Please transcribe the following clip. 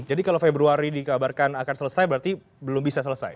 jadi kalau februari dikabarkan akan selesai berarti belum bisa selesai